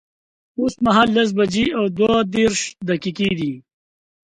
اوس مهال لس بجي او دوه دیرش دقیقی دی